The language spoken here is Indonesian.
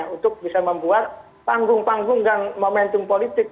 untuk bisa membuat panggung panggung dan momentum politik